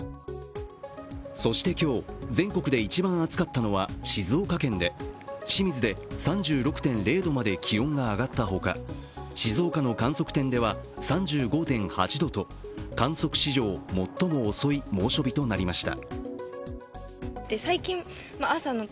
そして今日、全国で一番暑かったのは静岡県で清水で３６．０度まで気温が上がったほか静岡の観測点では３５．８度と、観測史上最も遅い猛暑日となりました。